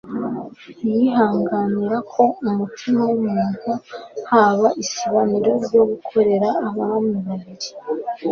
Ntiyihanganira ko mu mutima w'umuntu haba isibaniro ryo gukorera abami babiri;